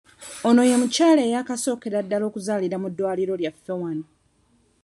Ono ye mukyala eyasookera ddala okuzaalira mu ddwaliro lyaffe wano.